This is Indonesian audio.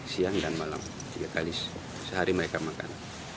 siang dan malam tiga kali sehari mereka makan